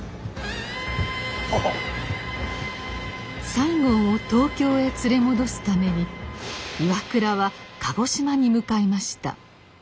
西郷を東京へ連れ戻すために岩倉は鹿児島に向かいました。